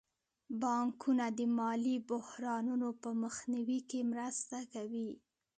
بانکونه د مالي بحرانونو په مخنیوي کې مرسته کوي.